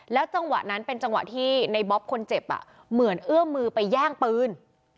จังหวะนั้นเป็นจังหวะที่ในบ๊อบคนเจ็บเหมือนเอื้อมมือไปแย่งปืน